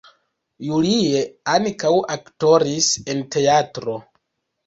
Julie ankaŭ aktoris en teatro.